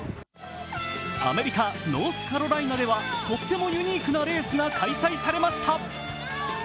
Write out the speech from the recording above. アメリカ・ノースカロライナではとってもユニークなレースが開催されました。